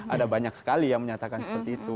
ada banyak sekali yang menyatakan seperti itu